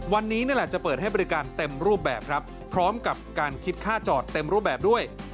วันนี้นั่นแหละจะเปิดให้บริการเต็มรูปแบบครับพร้อมกับการคิดค่าจอดเต็มรูปแบบด้วย